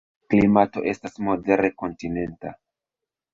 Klimato estas modere kontinenta.